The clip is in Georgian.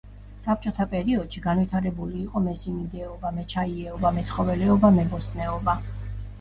საბჭოთა პერიოდში განვითარებული იყო მესიმინდეობა, მეჩაიეობა, მეცხოველეობა, მებოსტნეობა.